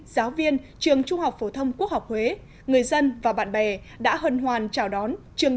giáo viên trường trung học phổ thông quốc học huế người dân và bạn bè đã hân hoàn chào đón trường